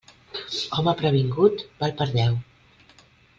Home previngut val per deu.